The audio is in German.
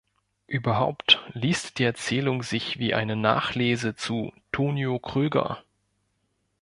Überhaupt liest die Erzählung sich wie eine Nachlese zu "Tonio Kröger".